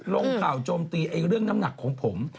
ลงข่าวโจมตีเรื่องน้ำหนักของผม